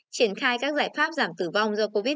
triển khai các giải pháp giảm tử vong do covid một mươi